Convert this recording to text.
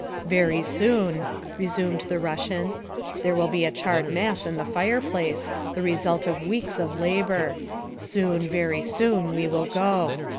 " Very soon," resumed the Russian, " there will be a charred mass in the fireplace, the result of weeks of labor. Soon, very soon, we will go.